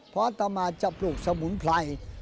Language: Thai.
เพราะอัตมาจะปลูกสมุนไพร